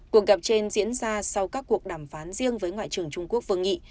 cuộc gặp trên diễn ra sau các cuộc đàm phán riêng với ngoại trưởng trung quốc vương nghị